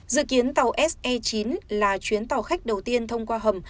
dự kiến tàu se chín là chuyến tàu khách đầu tiên thông qua hầm